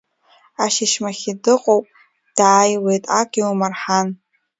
Ашьышьмахьыдыҟоуп, дааиуеит, ак иумырҳан!